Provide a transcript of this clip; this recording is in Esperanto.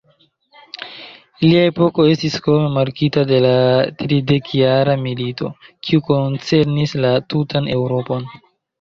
Lia epoko estis krome markita de la Tridekjara milito, kiu koncernis la tutan Eŭropon.